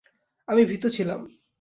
আমি ভীত ছিলাম।